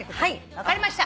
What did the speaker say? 分かりました。